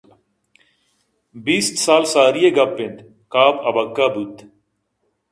بیست سال ساری ءِ گپ اِنت کاف ابکہّ بوت